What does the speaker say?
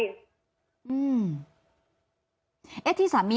ยายก็ยังแอบไปขายขนมแล้วก็ไปถามเพื่อนบ้านว่าเห็นไหมอะไรยังไง